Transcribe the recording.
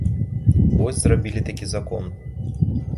Вось зрабілі такі закон.